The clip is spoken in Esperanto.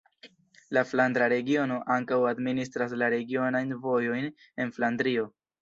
La Flandra Regiono ankaŭ administras la regionajn vojojn en Flandrio.